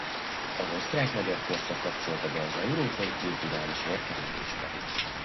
Az osztrák-magyar korszak kapcsolta be az európai kulturális vérkeringésbe.